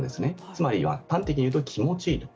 つまりは、端的に言うと気持ちいいと。